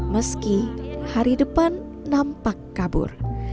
meski hari depan nampak kabur